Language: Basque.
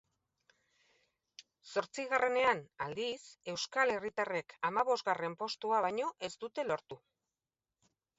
Zortzigarrenean, aldiz, euskal herritarrek hamabosgarren postua baino ez dute lortu.